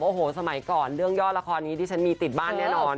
โอ้โหสมัยก่อนเรื่องยอดละครนี้ที่ฉันมีติดบ้านแน่นอน